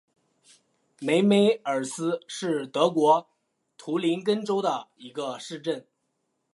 梅梅尔斯是德国图林根州的一个市镇。